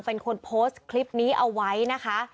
เป็นคนโพสต์คลิปนี้เอาไว้นะคะ